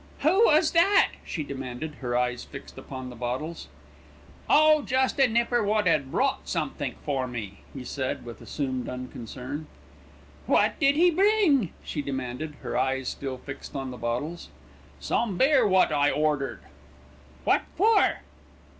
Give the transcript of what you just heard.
"Who was that?" she demanded, her eyes fixed upon the bottles. "Oh! jest a nipper wot 'ad brought somethink for me," he said with assumed unconcern. "What did he bring?" she demanded, her eyes still fixed on the bottles. "Some beer wot I ordered." "What for?"